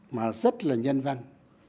mà rất là nhân văn